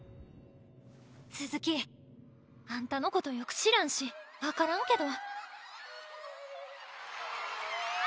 すずきあんたのことよく知らんし分からんけど。